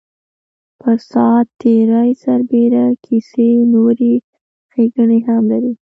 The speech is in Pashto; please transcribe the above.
پر ساعت تېرۍ سربېره کیسې نورې ښیګڼې هم لري.